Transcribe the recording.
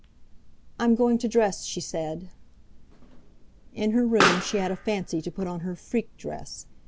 "I'm going to dress," she said. In her room she had a fancy to put on her "freak" dress.